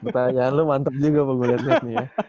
pertanyaan lu mantep juga apa gue liat liat nih ya